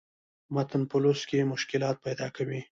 متن پۀ لوست کښې مشکلات پېدا کوي